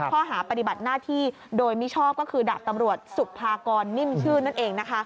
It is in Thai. ข้อหาปฏิบัติหน้าที่โดยมิชอบก็คือดาบตำรวจสุภากรนิ่มชื่นนั่นเองนะคะ